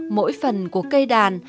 mỗi phần của cây đàn